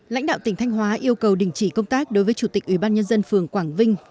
lãnh đạo tỉnh thanh hóa yêu cầu đình chỉ công tác đối với chủ tịch ủy ban nhân dân phường quảng vinh